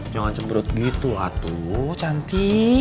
jangan cembrut gitu lah tuh cantik